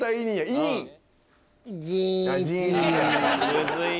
「むずいね！」